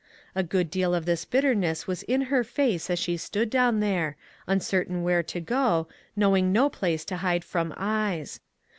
A good deal of this bitterness was in her face as she stood down there, un certain where to go, knowing no place to hide from eyes.